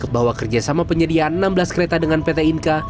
bahwa kerjasama penyediaan enam belas kereta dengan pt inka